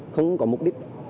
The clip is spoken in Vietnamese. không có mục đích